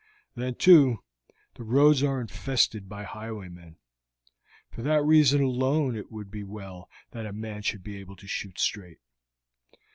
Then, too, the roads are infested by highwaymen. For that reason alone it would be well that a man should be able to shoot straight.